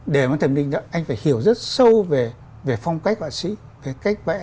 để mà thầm định anh phải hiểu rất sâu về phong cách họa sĩ về cách vẽ